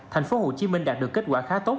tp hcm đạt được kết quả khá tốt